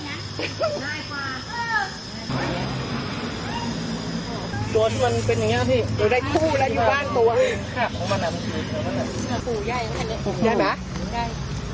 สวัสดีครับทุกคน